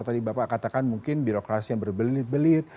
tadi bapak katakan mungkin birokrasi yang berbelit belit